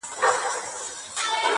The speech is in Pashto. يو ما و تا,